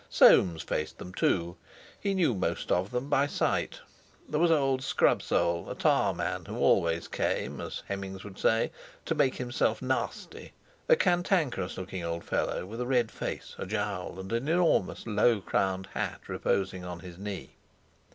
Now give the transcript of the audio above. Soames faced them too. He knew most of them by sight. There was old Scrubsole, a tar man, who always came, as Hemmings would say, "to make himself nasty," a cantankerous looking old fellow with a red face, a jowl, and an enormous low crowned hat reposing on his knee.